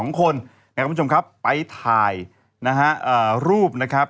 คนนะครับคุณผู้ชมครับไปถ่ายนะฮะรูปนะครับ